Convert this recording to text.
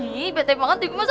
nih bete banget nih gue masa